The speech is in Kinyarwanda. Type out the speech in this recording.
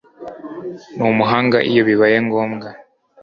n umuhanga iyo bibaye ngombwa